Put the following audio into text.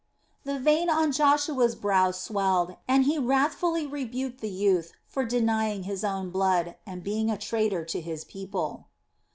The vein on Joshua's brow swelled, and he wrathfully rebuked the youth for denying his own blood, and being a traitor to his people.